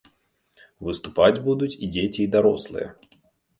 Выступаць будуць і дзеці, і дарослыя.